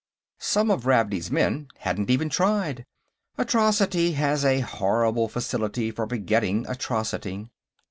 Some of Ravney's men hadn't even tried. Atrocity has a horrible facility for begetting atrocity.